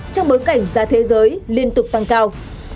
trong bối cảnh giá thế giới liên tục tăng cao